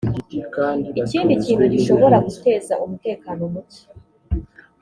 ikindi kintu gishobora guteza umutekano muke